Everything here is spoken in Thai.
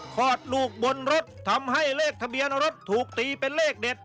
คลอดลูกบนรถทำให้เลขทะเบียนรถถูกตีเป็นเลขเด็ด